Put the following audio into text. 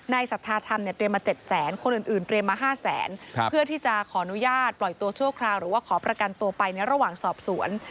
ศรัทธาธรรมเนี่ยเตรียมมา๗แสนคนอื่นเตรียมมา๕แสนเพื่อที่จะขออนุญาตปล่อยตัวชั่วคราวหรือว่าขอประกันตัวไปในระหว่างสอบสวน